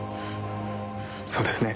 そうですね。